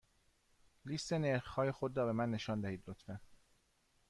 لیست نرخ های خود را به من نشان دهید، لطفا.